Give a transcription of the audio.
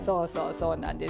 そうなんですよ。